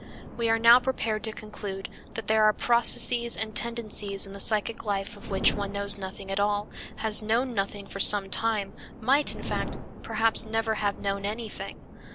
We are now prepared to conclude that there are processes and tendencies in the psychic life of which one knows nothing at all, has known nothing for some time, might, in fact, perhaps never have known anything.